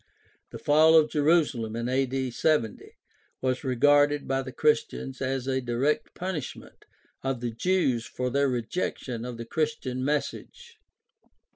The fall of Jerusalem in 70 a.d. was regarded by the Christians as a direct punishment of the Jews for their rejection of the Chris tian message.